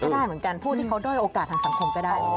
ได้เหมือนกันผู้ที่เขาด้อยโอกาสทางสังคมก็ได้